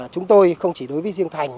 chúng tôi không chỉ đối với riêng thành